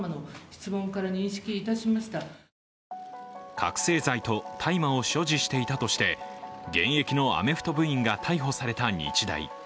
覚醒剤と大麻を所持していたとして、現役のアメフト部員が逮捕された日大。